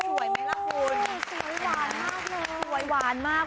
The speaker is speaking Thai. ไหมล่ะคุณดูสิหวานมากเลยสวยหวานมาก